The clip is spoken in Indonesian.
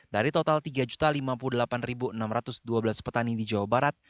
dari total tiga lima puluh delapan enam ratus dua belas petani di jawa barat